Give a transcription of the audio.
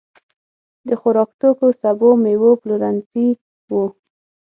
د خوراکتوکو، سبو، مېوو پلورنځي وو.